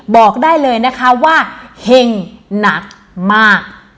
บอกได้เลยนะคะว่าเห็งหนักมาก